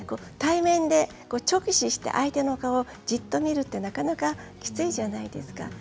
対面で直視して相手の顔をじっと見るってなかなかきついじゃないですか。